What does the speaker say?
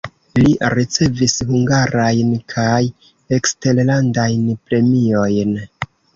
Li ricevis hungarajn kaj eksterlandajn premiojn.